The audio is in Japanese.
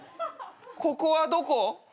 ここはどこ？